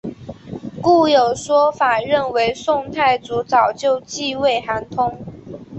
故有说法认为宋太祖早就忌讳韩通。